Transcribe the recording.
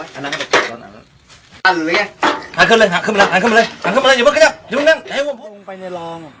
สันติอยู่ก้อนดิเป็นไงบ้าง